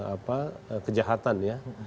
apa kejahatan ya